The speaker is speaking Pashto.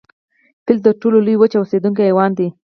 فیل تر ټولو لوی وچ اوسیدونکی حیوان دی